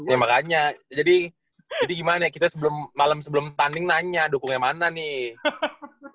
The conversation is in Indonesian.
ya makanya jadi gimana ya kita malem sebelum tanning nanya dukung yang mana nih